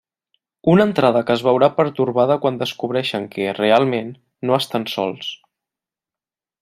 Una entrada que es veurà pertorbada quan descobreixen que realment, no estan sols.